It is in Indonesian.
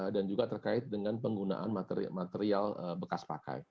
dan juga terkait dengan penggunaan material bekas pakai